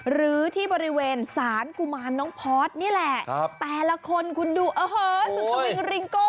หรือที่บริเวณสารกุมารน้องพอร์ตนี่แหละแต่ละคนคุณดูโอ้โหสุดทวิงริงโก้